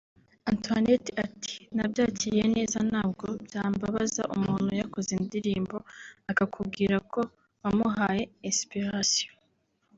Antonette ati“Nabyakiriye neza ntabwo byambaza umuntu yakoze indirimbo akakubwira ko wamuhaye inspiration